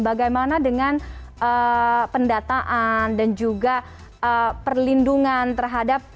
bagaimana dengan pendataan dan juga perlindungan terhadap sebelas empat puluh lima anak